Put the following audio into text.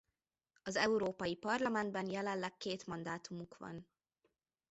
Az Európai Parlamentben jelenleg két mandátumuk van.